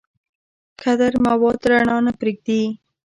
کدر مواد رڼا نه پرېږدي.